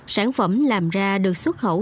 sản phẩm làm ra được xuất khẩu